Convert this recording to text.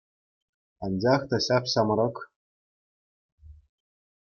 Анчах та ҫап-ҫамрӑк.